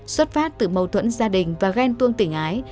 xuất phát từ mâu thuẫn gia đình và ghen tuông tình ái